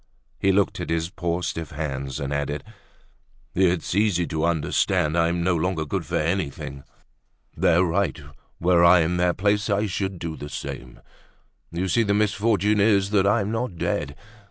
He looked at his poor stiff hands and added: "It's easy to understand, I'm no longer good for anything. They're right; were I in their place I should do the same. You see, the misfortune is that I'm not dead.